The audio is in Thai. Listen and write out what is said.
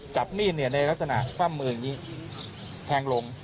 จับมีดในลักษณะคว่ำมืออย่างนี้แทงลง